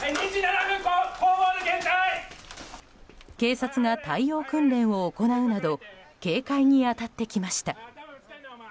警察が対応訓練を行うなど警戒に当たってきました。